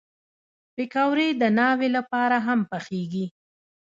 پکورې د ناوې لپاره هم پخېږي